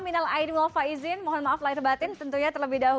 minal aidil walfa izin mohon maaf lahir batin tentunya terlebih dahulu